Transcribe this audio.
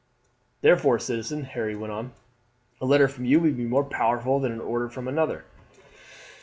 "Therefore, citizen," Harry went on, "a letter from you would be more powerful than an order from another."